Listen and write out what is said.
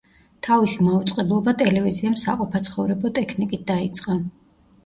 თავისი მაუწყებლობა ტელევიზიამ საყოფაცხოვრებო ტექნიკით დაიწყო.